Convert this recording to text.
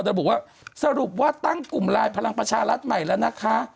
โดยบอกว่าสรุปว่าตั้งกลุ่มลายพลังประชารัฐใหม่แล้วนะคะ